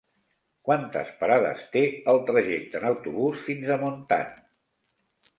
Quantes parades té el trajecte en autobús fins a Montant?